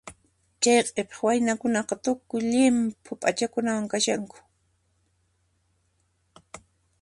Chay q'ipiq waynakunaqa tukuy llimp'i p'achakunawan kashanku.